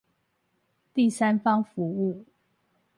第三方服務